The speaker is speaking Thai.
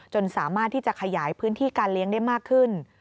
สามารถที่จะขยายพื้นที่การเลี้ยงได้มากขึ้น